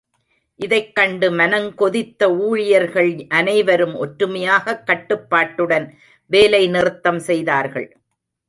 இதைக் கண்டு மனங்கொதித்த ஊழியர்கள் அனைவரும் ஒற்றுமையாகக் கட்டுப்பாட்டுடன் வேலைநிறுத்தம் செய்தார்கள்.